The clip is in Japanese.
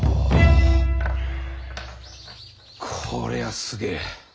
こりゃすげえ。